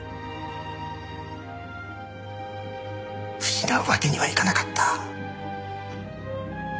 失うわけにはいかなかった。